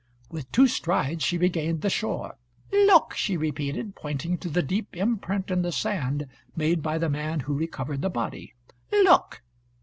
With two strides she regained the shore. "Look!" she repeated, pointing to the deep imprint in the sand made by the man who recovered the body. "Look!"